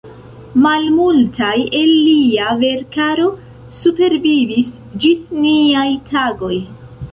Malmultaj el lia verkaro supervivis ĝis niaj tagoj.